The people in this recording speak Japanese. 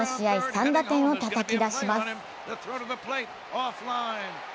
３打点をたたき出します。